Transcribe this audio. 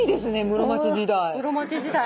室町時代！